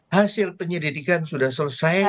hasil penyelidikan sudah selesai